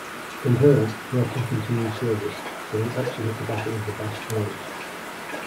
In her, Broughton continued service, seeing action at the Battle of the Basque Roads.